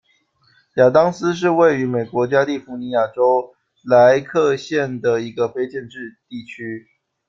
亚当斯是位于美国加利福尼亚州莱克县的一个非建制地区。